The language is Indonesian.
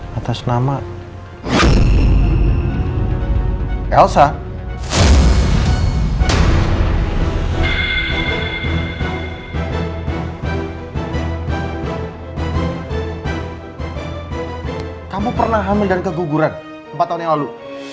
hai atas nama elsa kamu pernah hamil dan keguguran empat tahun yang lalu